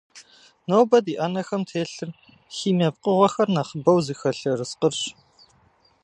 Нобэ ди ӏэнэхэм телъыр химие пкъыгъуэхэр нэхъыбэу зыхэлъ ерыскъырщ.